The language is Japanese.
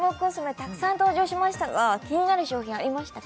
たくさん登場しましたが気になる商品ありましたか？